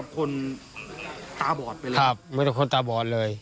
ครับไม่ได้คนตาบอดเลย